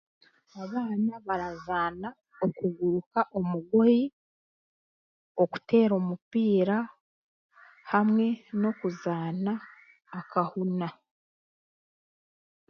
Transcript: Abaana barazaana okuguruka omugoyi, okuteera omupiira, hamwe n'okuzaana akahuna.